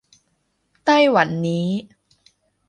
ไต้หวันนี้